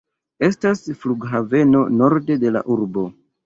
Estas flughaveno norde de la urbo.